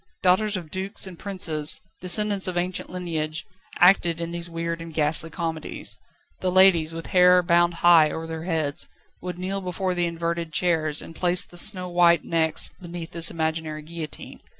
Daughters of dukes and princes, descendants of ancient lineage, acted in these weird and ghastly comedies. The ladies, with hair bound high over their heads, would kneel before the inverted chairs, and place the snowwhite necks beneath this imaginary guillotine.